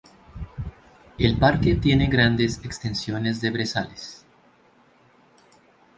El parque tiene grandes extensiones de brezales.